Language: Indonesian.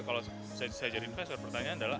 kalau saya jadi investor pertanyaan adalah